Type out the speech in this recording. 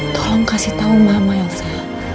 tolong kasih tau mama yose